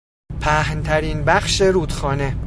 پهنترین بخش رودخانه